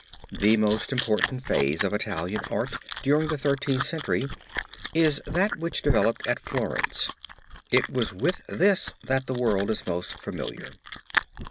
The most important phase of Italian art during the Thirteenth Century is that which developed at Florence. It is with this that the world is most familiar.